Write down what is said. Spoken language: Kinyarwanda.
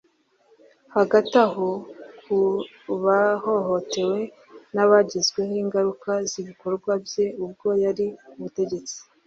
Hagati aho ku bahohotewe n’abagezweho n’ingaruka z’ibikorwa bye ubwo yari ku butegetsi